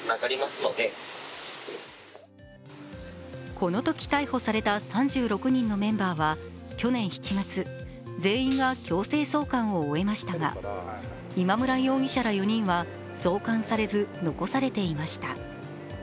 このとき逮捕された３６人のメンバーは去年７月、全員が強制送還を終えましたが、今村容疑者ら４人は送還されず残されていました。